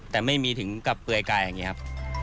แต่ไม่มีถึงกับเปลือยกายอย่างนี้ครับ